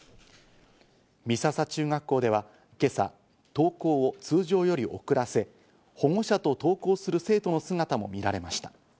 美笹中学校では今朝、登校を通常より遅らせ、保護者と登校する生徒の姿も見られました。